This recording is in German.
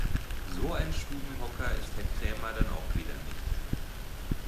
So ein Stubenhocker ist Herr Krämer dann auch wieder nicht.